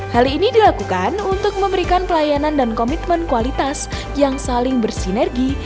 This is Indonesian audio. hal ini dilakukan untuk memberikan pelayanan dan komitmen kualitas yang saling bersinergi